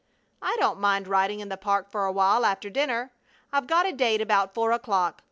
"I don't mind riding in the park for a while after dinner. I've got a date about four o'clock.